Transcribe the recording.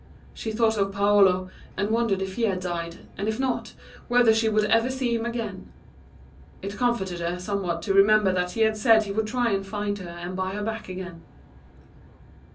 She thought of Paolo and wondered if he had died, and if not, whether she would ever see him again. It comforted her some what to remember that he had said he would try and find her and buy her back again.